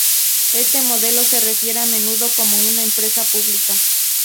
Este modelo se refiere a menudo como una Empresa pública.